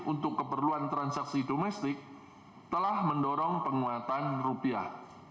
untuk keperluan transaksi domestik telah mendorong penguatan rupiah